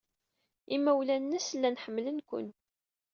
Imawlan-nnes llan ḥemmlen-ken.